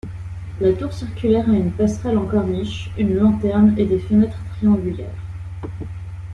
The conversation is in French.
La tour circulaire a une passerelle en corniche, une lanterne et des fenêtres triangulaires.